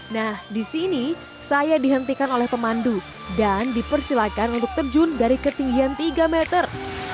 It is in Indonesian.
nah di sini saya dihentikan oleh pemandu dan dipersilakan untuk terjun dari ketinggian tiga meter